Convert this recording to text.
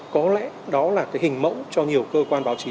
có lẽ đó là cái hình mẫu cho nhiều cơ quan báo chí